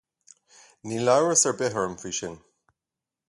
Níl amhras ar bith orm faoi sin.